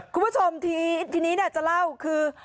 คุณผู้ชมทีนี้จะเล่าคือ